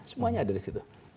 semuanya ada di situ